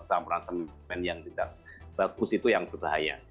sama orang yang tidak bagus itu yang berbahaya